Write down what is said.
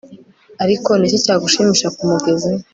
Ariko ni iki cyagushimisha ku mugezi